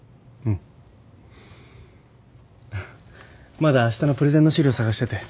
まだあしたのプレゼンの資料探してて。